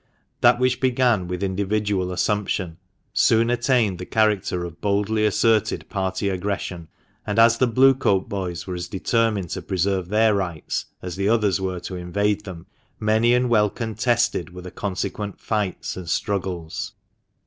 That which began with individual assumption soon attained the character of boldly asserted party aggression, and, as the Blue coat boys were as determined to preserve their rights as the others were to invade them, many and well contested were the consequent fights and struggles.